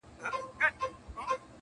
چي مهم دی په جهان کي،